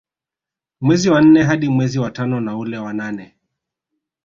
Mwezi wa nne hadi mwezi wa tano na ule wa nane